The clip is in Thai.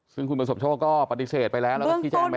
ซึ่งคุณประสบโชคก็ปฏิเสธไปแล้วแล้วก็ชี้แจงไป